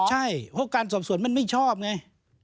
ใช่เพราะการสอบสวนมันไม่ชอบไง